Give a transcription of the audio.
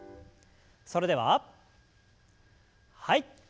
それでははい。